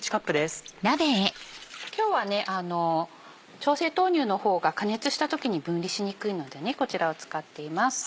今日は調製豆乳の方が加熱した時に分離しにくいのでこちらを使っています。